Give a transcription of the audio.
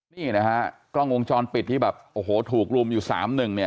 นี่นะฮะกล้องวงชรปิดที่แบบโอ้โหถูกรุมอยู่๓นึง